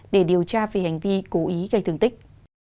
để điều tra về hành vi cố ý gây thương tích